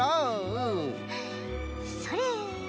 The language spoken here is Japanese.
うん。それ。